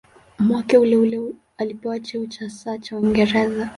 Mwaka uleule alipewa cheo cha "Sir" cha Uingereza.